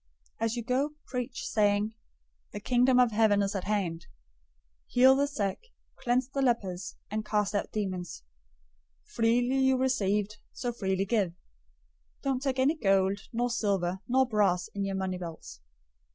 010:007 As you go, preach, saying, 'The Kingdom of Heaven is at hand!' 010:008 Heal the sick, cleanse the lepers{TR adds ", raise the dead"}, and cast out demons. Freely you received, so freely give. 010:009 Don't take any gold, nor silver, nor brass in your money belts.